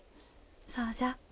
そうじゃ。